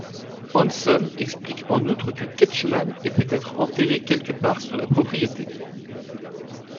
Anson explique en outre que Ketcham est peut-être enterré quelque part sur la propriété.